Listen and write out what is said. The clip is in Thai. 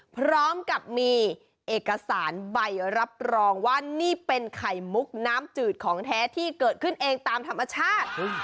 พร้อมกับมีเอกสารใบรับรองว่านี่เป็นไข่มุกน้ำจืดของแท้ที่เกิดขึ้นเองตามธรรมชาติ